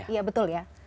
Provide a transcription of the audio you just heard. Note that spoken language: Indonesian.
iya betul ya